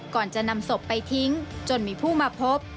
ก่อนจะนำศพไปทิ้งจนมีผู้มาพบ